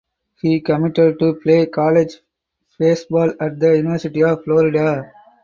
He committed to play college baseball at the University of Florida.